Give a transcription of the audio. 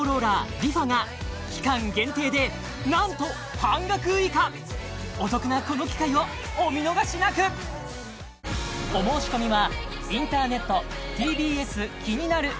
ＲｅＦａが期間限定で何と半額以下お得なこの機会をお見逃しなく足をのせれば